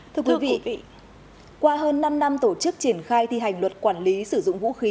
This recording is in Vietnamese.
thưa quý vị qua hơn năm năm tổ chức triển khai thi hành luật quản lý sử dụng vũ khí